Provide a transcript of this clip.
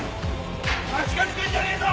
近づくんじゃねえぞ！